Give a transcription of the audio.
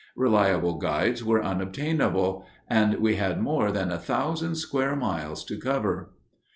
Reliable guides were unobtainable, and we had more than a thousand square miles to cover.